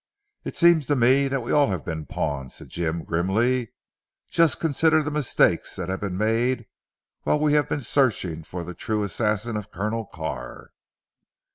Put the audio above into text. "It seems to me that we have all been pawns," said Jim grimly, "just consider the mistakes that have been made while we have been searching for the true assassin of Colonel Carr."